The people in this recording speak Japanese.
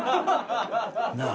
なあ？